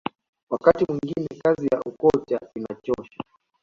wakati mwingine kazi ya ukocha inachosha